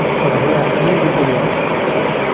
پَر هُلَي ڪهِين بِي ڪونهِي۔